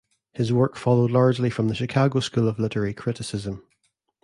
His work followed largely from the Chicago school of literary criticism.